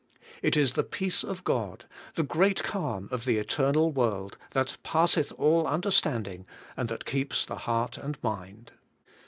It is the peace of God, the great calm of the eternal world, that passeth all understanding, and that keeps the heart and mind.